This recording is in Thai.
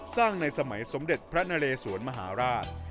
สร้างในสมัยสมเด็จพระนเรศวรมหาราช